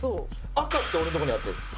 赤って俺のとこにあったやつですよ？